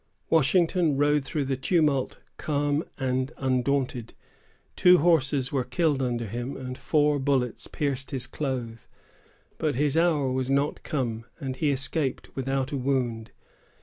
Washington rode through the tumult calm and undaunted. Two horses were killed under him, and four bullets pierced his clothes; but his hour was not come, and he escaped without a wound.